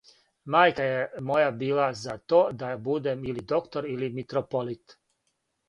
Мајка је моја била за то да будем или доктор или митрополит.